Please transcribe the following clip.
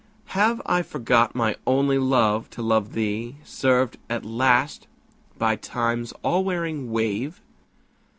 Have I forgot, my only love, to love thee, Severed at last by Time's all wearing wave?